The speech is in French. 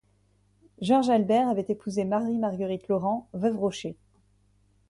Georges Albert avait épousé Marie-Marguerite Laurent, veuve Rochet.